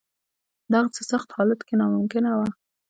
په دغسې سخت حالت کې ناممکنه وه.